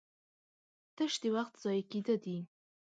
تش د وخت ضايع کېده دي